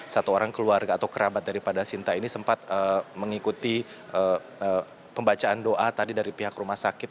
satu orang keluarga atau kerabat daripada sinta ini sempat mengikuti pembacaan doa tadi dari pihak rumah sakit